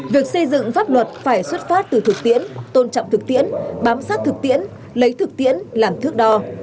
việc xây dựng pháp luật phải xuất phát từ thực tiễn tôn trọng thực tiễn bám sát thực tiễn lấy thực tiễn làm thước đo